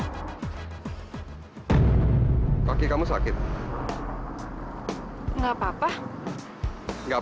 pernah menekan tanganku